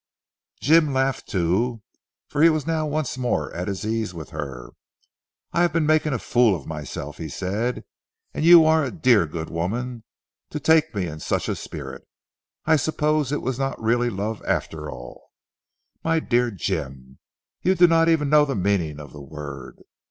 Jim laughed too, for he was now once more at his ease with her. "I have been making a fool of myself," he said, "and you are a dear good woman to take me in such a spirit. I suppose it was not really love after all." "My dear Dr. Jim, you do not even know the meaning of the word.